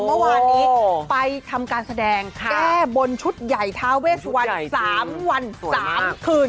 เมื่อวานนี้ไปทำการแสดงแก้บนชุดใหญ่ท้าเวสวัน๓วัน๓คืน